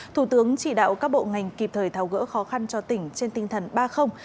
thủ tướng chỉ đạo các bộ ngành kịp thời tháo gỡ khó khăn cho tỉnh trên tinh thần ba